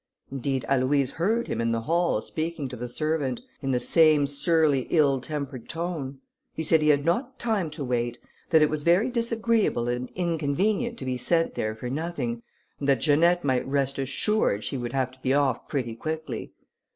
Indeed Aloïse heard him in the hall speaking to the servant, in the same surly ill tempered tone. He said he had not time to wait; that it was very disagreeable and inconvenient to be sent there for nothing; and that Janette might rest assured she would have to be off pretty quickly.